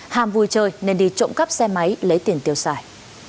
ham vui chơi nên đi trộm cắp xe máy lấy tiền tiêu xài